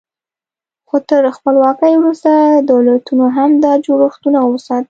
خو تر خپلواکۍ وروسته دولتونو هم دا جوړښتونه وساتل.